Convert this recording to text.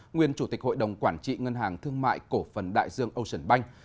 nguyên chủ tịch hội đồng quản trị ngân hàng thương mại cổ phần đại dương ocean bank